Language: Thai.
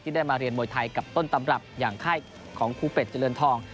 ได้มาเรียนมวยไทยกับต้นตำรับอย่างค่ายของครูเป็ดเจริญทอง